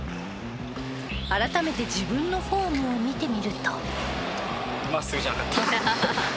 改めて自分のフォームを見てみると。